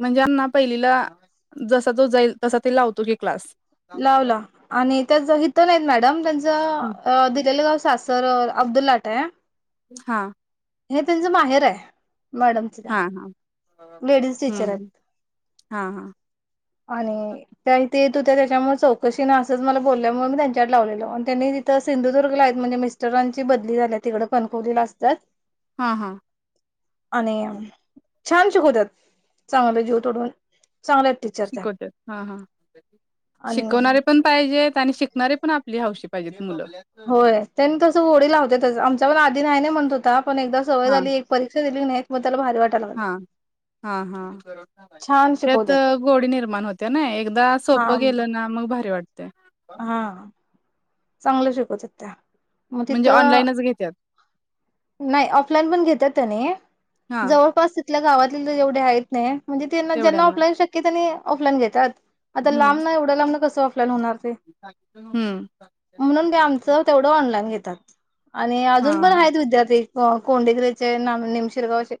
म्हणजे ज्यांना पहिलीला, जसा तो जाईल तसा ते लावतो की क्लास. लावला आणि त्याचं हितं नाहीत मॅडम, हा. त्यांचं दिलेले गाव सासर अब्दुल लाट आहे. हा हे त्यांचं माहेर आहे, मॅडम हा हा आहेत हम् हा हा आणि त्या इथे तू त्याच्यामुळे चौकशी ना असंच मला बोलल्यामुळे मी त्यांच्या लावलेलो आणि त्यांनी तिथं सिंधुदुर्गला आहेत म्हणजे मि रची बदली झाल्या तिकड कणकवलीला असतात हा हां आणि छान शिकवतात चांगले जीव तोडून, चांगले शिकवत्यात. हा हा आणि शिकवणारे पण पाहिजेत आणि शिकणारी पण आपली हाशी पाहिजे मुलं. होय त्यांनी तसं होडी लावत्यातच, आमच्यावर आधी नाही नाही म्हणत होता पण एकदा होय हा झाली एक परीक्षा दिली नाही मग त्याला भारी वाटायला लागलं हा हा हा छान त्यात शिकवत्यात गोडी निर्माण होते ना? एकदा हा सोपं गेलं ना मग भारी वाटतंय. हा चांगलं शिकवतात त्या. मग म्हणजे तिथं ऑनलाईनच घेत्यात. नाही ऑफलाईन पण घेतात त्यानी हा जवळपास आपल्या गावातले जवढे आहेत ना? म्हणजे तेना ज्यांना तेवढ्यांना ऑफलाईन शक्य त्यांनी ऑफलाईन घेतात. आता हम्म. लांब ना एवढं लांबना कसं ऑफलाईन होणार? ते हम्म म्हणून ते आमचं तेवढं ऑनलाईन घेतात, आणि हा अजून पण आहेत विद्यार्थी. कोंडेगिरीचे ना निमशिरगावचे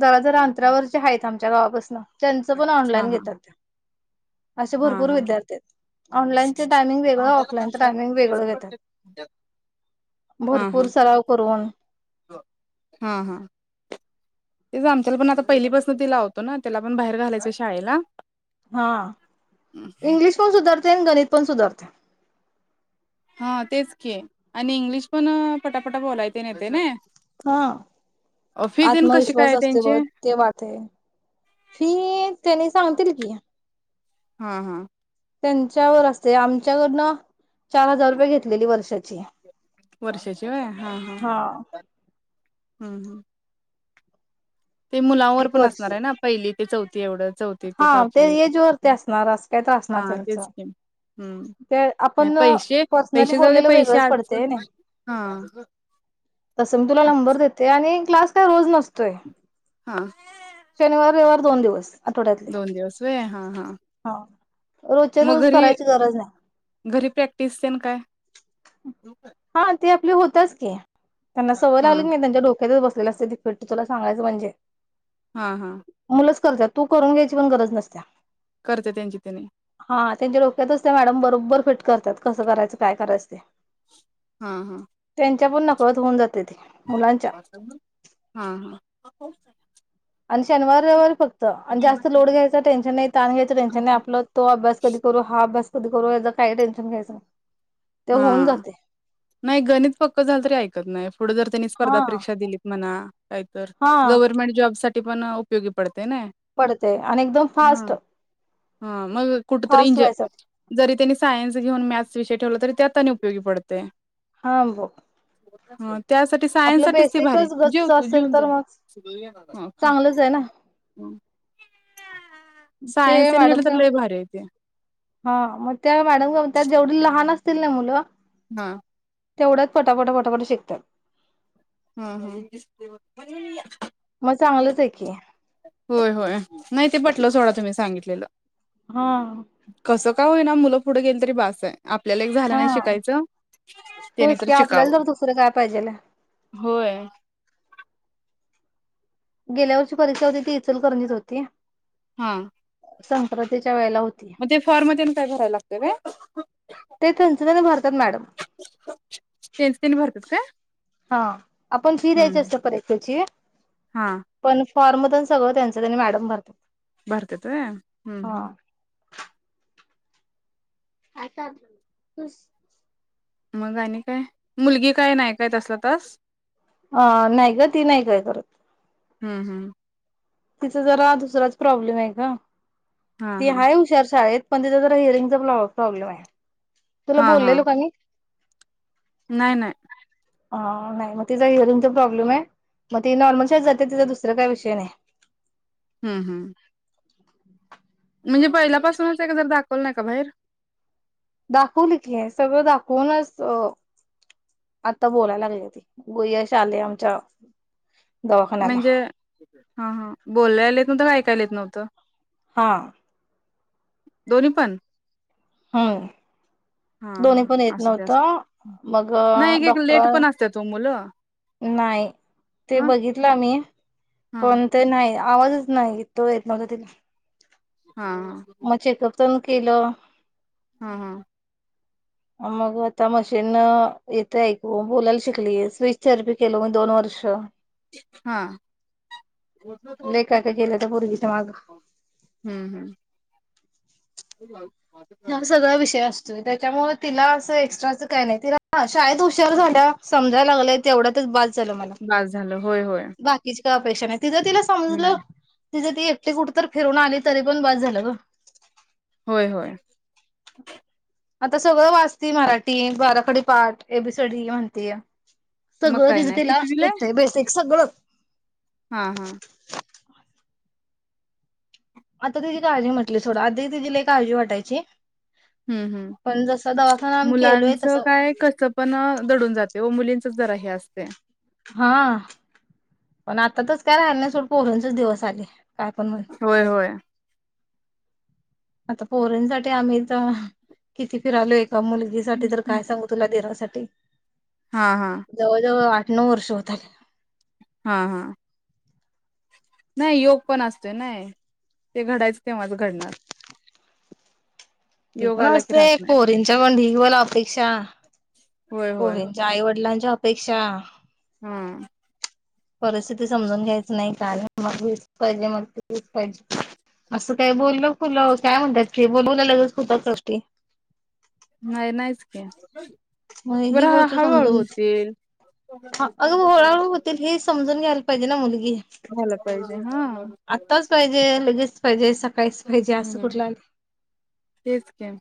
जरा जरा अंतरावरचे आहेतच आमच्या गावापासनं. त्यांचं पण हा ऑनलाईन हा घेतात, असे हा भरपूर हा विद्यार्थी आहेत ऑनलाईन ते टाईमिंग वेगळ ऑफलाईनचं टाईमिंग वेगळं घेतात. हा हा भरपूर सराव करून हा हा. ते आमच्याला पण आता पहिलीपासून ति लावतो ना त्याला पण बाहेर घालायचं शाळेला. हा इंग्लिश पण सुधारतंय, आणि गणित पण सुधारतंय. हा तेच कि, आणि इंग्लिश पण पटापटा बोलायते येते ना? हा फी तेन कशी आत्मविश्वास काय असतोय त्यांचे बॉ, ते वाढतंय. फी त्याने सांगतील की. हं हं. त्यांच्यावर असते आमच्याकडनं चार हजार रुपये घेतलेली वर्षाची. वर्षाची होय हा हां हम हम्म ते मुलावर एक पण वर्ष असणार आहे ना पहिली ते चौथी एवढं. चौथी हा ते पाचवी येजवरती असणार अस काही तर असणार हा तेच त्यांचं. की हम्म ते नाही आपण पैसे, पर्सनली पैसे जाऊ दे बोललेलं पैसे वेगळंच आजचं पडते ना तसं मी तुला नंबर देते आणि क्लास काय रोज नसतोय. हां शनिवार रविवार दोन दिवस. दोन दिवस व्हय हां हां ह रोजच्या रोज करायची गरज नाही. घरी प्रॅक्टिसन तेन काय? हा ते आपले होत्याच की त्यांना सवय हा लागली की नाही त्यांच्या डोक्या- तिथंच बसलेलं असतेत तुला सांगायच म्हणजे हा हां मुलंच करतात तू करून घ्यायची पण गरज नसत्या. करते त्यांची त्यांनी. हा त्यांच्या डोक्यातच ते मॅडम बरोबर फिट करतात कसं करायचं काय करायचं ते. हां हां त्यांच्या पण नकळत होऊन जातय ते. मुलांच्या हां हां आणि शनिवार रविवारी फक्त आणि जास्त लोड घ्यायचं टेन्शन नाही, ताण घ्यायचं टेनशन नाही आपलं. तो अभ्यास कधी करू, हा अभ्यास कधी करू, याचा काही टेन्शन घ्यायचं नाही ते होऊन हा जाते. नाही गणित पक्क झालं तरी ऐकत नाही पुढं जर त्यांनी हा स्पर्धा परीक्षा दिलीत म्हणा. कायतर हा गव्हर्नमेंट जॉब साठी पण उपयोगी पडते ना. पडते आणि एकदम फास्ट हम हा मग कुठतर फास्ट एंजॉय व्हायसाठी जरी त्यांनी सायन्स घेऊन मॅथ्स विषयी ठेवलं तरी त्यात त्यांनी उपयोगी पडतय. हां बघ. ह्ं त्यासाठी सायन आपलं साठी ते भारी बेसिकच आहे जेव गच्च तु असेल जेवून जा. तर मग चांगलंच आहे ना हम्म ते मॅडम काय? हा मग त्या मॅडम काय म्हणायात जेवढी लहान असतील ना मुलं हा तेवढच पटापटा पटापट शेक्यात. हा हा हम्म मग चांगलंच आहे की. होय होय नाही ते पटलं सोडा तुम्ही सांगितलेलं. हा कसं काय होईना मुलं पुढे गेल तरी बास आहे आपल्याला एक झालं हा नाही शिकायचं त्याने तर शिकावं. दुसर काय पाहिजेलाय. होय. गेल्या वर्षी परीक्षा होती ती इचलकरंजीत होती. हा संक्रांतीच्या वेळेला होती. मग ते फॉर्म मध्ये काय भरायला लागतोय काय? ते त्यांच तेनी भरतात मॅडम. त्यांच त्यांनी भरतात काय हा आपण फी द्यायची हम्म असत्या परीक्षेची- हा पण फॉर्म तेन सगळं त्यांच तेती मॅडम भरतात. भरतात होय हम्म हा हम्म आता तू मग आणि काय मुलगी काय नाही काय तसला तास अ नाही का ती नाही काय करत. हम्म हा हा तिचा जरा दुसराच प्रॉब्लेम आहे अग हा ती हा आहे हुशार शाळेत. पण तिथं जरा हिअरिंगचा प्रॉब्लेम आहे तुला हा हा बोलेलो काय मी. नाही नाही ह नाही मग तिचा हिअरिंगचा प्रॉब्लेम आहे मग ती नॉर्मल शाेत जाते तिचा दुसर काय विषय नाही हम्म हम्म म्हणजे पहिल्यापासूनच आहे का जर दाखवल नाही का बाहेर दाखवली क सगळं दाखवूनच आता बोलायला गगेली ते गु यश आले आमच्या दवाखान्याला म्हणजे हा हा बोोलयला येत नव्हतं का ऐकायला येत नव्हतं हा दो् पण हम हा दोन्ही पण येत हा असू द्या असू नव्हतं दे. मग नाही एक एक लेट डॉक्टर पण असतात ओ मुलं नाही ते हा बघित ला मही हा पण ते नाही आवाजच नाही तो येत नझ तिला हा मग चेकअप पण केलं. हा हा मग आता मशीन येथे ऐकू बोलायला शिकली आहे स्विच थेरपी केल मी दोन वर्ष हा लेकााच गेल्या तर भर्गीच माग हम्म हम्म ह्या सगळा विषय असतो त्याच्यामुळेळ तिला असं एक्स्ट्राच काय नाही तिला शाळेत हुशार झाल्या समजायला लागलेत तेवढाच बाद झाल मला पास झालं होय होय बाकीची काय अपेक्षा नाही तिथं तिला समजलं नाही तिच्या ती एकटे कुठ तर फिरून आ तरी पण ब झालं ग होय होय आता सगळं वाचते मराठी बाराखडी पाठ एबीसीडी म्हणती मग सगळं काय तिथं नाही तिला कितवीला आहे येतय बेस एक सगळं हा हा आता तिझी काळजी म्हटली थोडं आधी तिीला एक काळजी वाटायची हम् हम् पण जसा दवाखाना आम्ही केलोय मुलांचं तसं काय कस पण दडून जाते व मुलींचच जरा हे असते हा पण आता तच काय राहा नाही सड पोरंचच दिवस आले काय पण होईल होय होय आता पोहरींसाठी आम्ही तर किती फिरालो का मुलगीसाठी तर काय सांगू तुला देरासाठी हा हा जवळजवळ आठ नऊ वर्ष होताले हा हा नाही योग पण असतोय नाही ते घडायच केव्हाच घडणार ते योग पण आला की राहत असते नाही पोरींच्या पणढवाला अपेक्षा होय होय होच्या आईवडिलांच्या अपेक्षा हम्म परिस्थिती समजून घ्यायच नाही का मग वीस पाहिजे मग तेच पाहिजे असं काय बोललं खुलं काय म्हणतात की बोवय लगेच खुती नाही नाहीच का म ही गोष्ट समजून अग हळाहू होतील हे समजून घ्या पाहिजे ना मुलगी आहे झाला पाहिजे हा आत्ताच पाहिजे लगेच पाहिजे सकाळीच पाहिजे असं हम्म कुठलं आ तेच के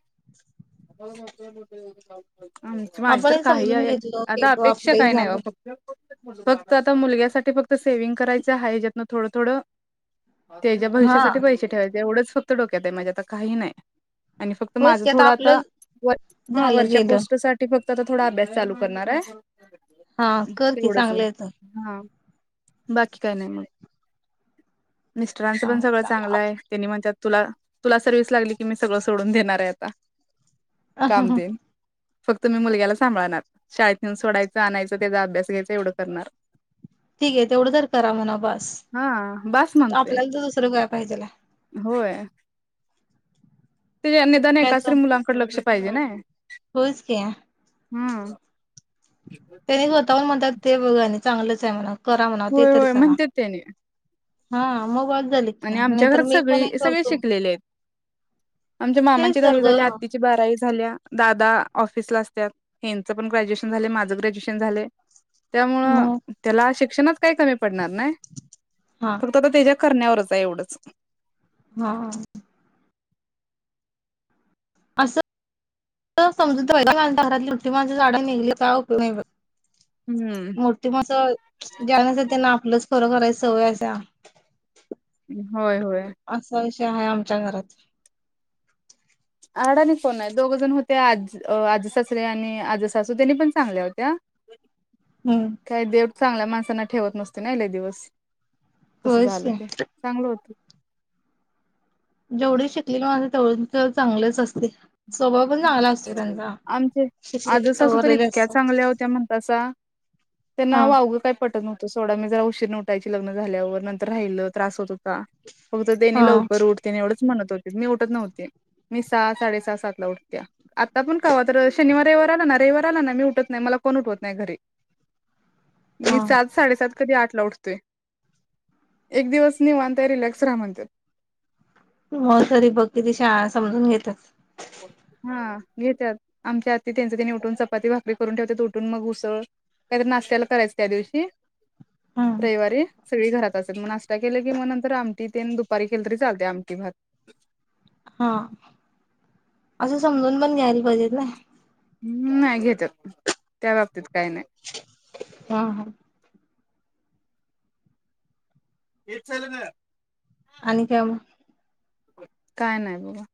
आम माझी आपण तर एक काही समजून आहे घेतलो आता केलो अपेक्षा आपलंही काय नाही बा झालं फक्त फक्त आता मुलग्यासाठी फक्त सेवि्हंग करायच आहेज्यात ना थोडं थोडं त्याच्या हा भविष्यासाठी पैसे ठेवायचे एवढंच फक्त डोक्यात आहे माझ्या आता काही नाही आणि फक्त होयच माझं की थोडं आता आपलं व हा झालं वरच्या गेलं पोस्ट साठी फक्त आता थोडा अभ्यास चालू करणार आहे हा कर की तेवढंच आहे चांगलं येतं हा बाकी काय नाही मग मिस्टरांचं पण सगळं चांगलं आहे त्यांनी म्हणत तुला तुला सर्वि्हस लागली की मी सगळं सोडून देणार आहे आता काम आपण देन फक्त मी मुलग्याला सांभाळणार शाळेतून सोडायचं आणायचं त्याचा अभ्यास घ्यायचा एवढं करणार ठीक आहे तेवढं तर करा म्हणा बस हा बास म्हणतोय. आपल्याला तर दुसरं काय पाहिजेला होय त्या निदान एकातरी मुलांकडे लक्ष पाहिजे ना होच का हम्म त्यानी स्ताहून म्हणतात ते बघ आणि चांगलंच आहे म्हणा करा म्हणा ते होय तरी होय सरा म्हणत्यात त्यानी हा मग बघ झाली आणि आमच्या नाहीतर घरात मी पण हे सगळी सगळे करतो शिकलेले आहेत आमच्या मामाची तेच दाही तर ग झाल्या आत् बारा झाल्या दादा ऑफिस ला असतात हेच पण ग्रॅज्युएशन झाले माझं ग्रॅज्युएशन झा त्यामुळे मग त्याला शिक्षणात काही कमी पडणार नाही हा फक्त आता त्याच्या करण्यावरच आहे एवढंच. हा‌. असं. समज [unintelligible] झाडे निघली काय उपयग नाही बई. हम्म. मोठी माणसं ज्यानाचं त्यांना आपलंच खरं करायचंय सवय असत्या. होय होय. असा विषय आहे आमच्या घरात. आडाने कोण आहे दोघ जण होते आज आज सासरे आणि आजी सासू त्यांनी पण चांगल्या होत्या. हम्म. काही देव चांगल्या माणसांना ठेवत नसते ना लेई दिवस तसं होयच झालं की ते चांगलं होतं. जेवढी शिकली की माझे तेवढी तर चांगलेच असते. स्वभाव पण चांगला असतो त्यांचा आमचे शिकलेले आजच असू तर सवरलेले इतक्या असतात चांगल्या होत्या म्हणतासा त्यांना हा वावघु काय पटत नव्हतं. त सोडा मी जरा उशीरन उटायची लग्न झाल्यावर नंतर राहिलं त्रास होत होता. फक्त त्यांनी हा लवकर उठते एवढंच म्हणत होते मी उठत नव्हते मी सहा साडे सहा सातला उठते. आता पण कावा तर शनिवार रविवार आला ना रविवार आला ना मी उठत नाही मला कोण उठवत नाही घरी. [inaudible] निसाद. साडेसात कधी आठ ला उठतोय एक दिवस निवनता रिलॅक्स राहा म्हणतात. मग तरी बघ किती शाळा समजून घेतात. हा घेतात आमच्या आत्ती त्यांच त्यांनी उठून चपाती भाकरी करून ठेवतात उठून मग उसळ काहीतरी नाशत्याला करायचं त्या दिवशी, हम्म रविवारी सगळी घरात अस म असता केलं की मग नंतर आमटी तेन दुपारी केलं तरी चालतंय आमटी भात. हा असं समजून पण घ्यायला पाहिजे ना. हम्म नाही घेतात त्या बाबतीत काही नाही. हा हा. हेचलंग. आणि काय? काय नाही बबा.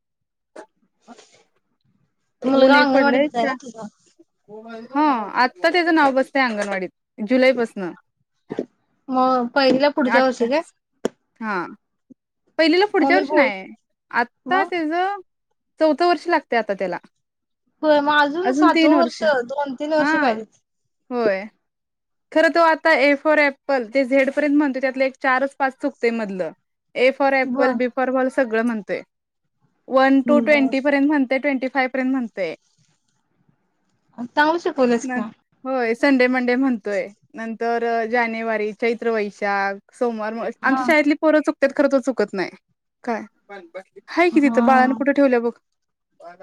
ऊन मुलगा एक पडलंय. अंगणवाडीतच आहे ना तुझा ह आता त्याचं नाव बसतय अंगणवाडीत, जुलैपसन. मग पहिलीला पुढच्या आठ वर्षी काय हा. पहिलीला मग पुढच्या मी वर्षी बोल नाहीय आता मग त्याच चौथं वर्ष लागते आता त्याला. हो मग अजून सातव वर्ष दोन तीन वर्ष हा पाहिजेत. होय. खरं तो आता A for apple J Z पर्यंत म्हणतो त्यातलं एक चारच पाच चुकतंय मधलं. ए फॉर ऍप्पल बर बी फॉर बॉल सगळं म्हणतोय. वन टू बर ट्वेंटी पर्यंत म्हणते ट्वेंटी फाय पर्यंत म्हणते. ताग शकलेस की. होय संडे मंडे म्हणतोय नंतर जानेवारी चैत्र वैशाख सोमवार हा आमच्या शाळेतली पोरं चुकतात खरं तर चुकत नाही काय. आहे की तिथं बाळान कुठं ठेवलं बघ.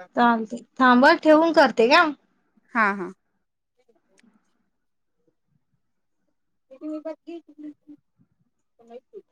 [unintelligible] थांब ठेवून करते काय. हा हा. [inaudible] [unintelligible]